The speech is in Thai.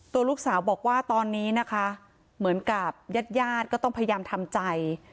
ตัวลูกสาวบอกว่าตอนนี้นะคะเหมือนกับญาติญาติก็ต้องพยายามทำใจ